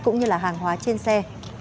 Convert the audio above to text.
cũng như hàng hóa trên xe